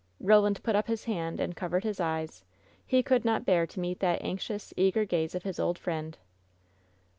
Roland put up his hand and covered his eyes; he could not bear to meet that anxious, eager gaze of his old friend.